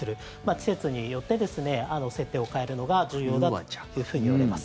季節によって設定を変えるのが重要だといわれます。